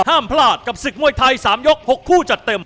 ห้ามพลาดกับศึกมวยไทย๓ยก๖คู่จัดเต็ม